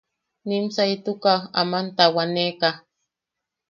Nim saitukaʼu aman tawaneʼeka.